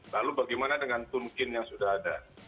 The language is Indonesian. lalu bagaimana dengan tunkin yang sudah ada